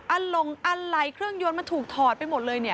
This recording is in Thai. อันลงอันไหลเครื่องยนต์มันถูกถอดไปหมดเลย